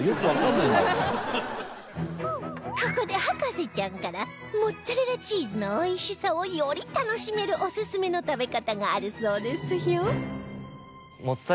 ここで博士ちゃんからモッツァレラチーズのおいしさをより楽しめるオススメの食べ方があるそうですよ